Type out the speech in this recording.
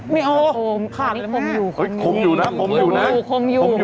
นี่เหรอครับ